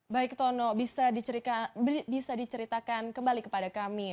baik tono bisa diceritakan kembali kepada kami